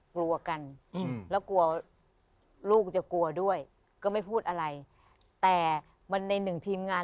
กลัวกันแล้วกลัวลูกจะกลัวด้วยก็ไม่พูดอะไรแต่มันในหนึ่งทีมงาน